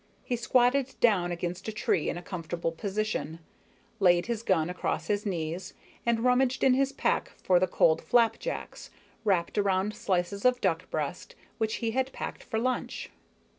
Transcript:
He squatted down against a tree in a comfortable position, laid his gun across his knees, and rummaged in his pack for the cold flapjacks, wrapped around slices of duck breast, which he had packed for lunch.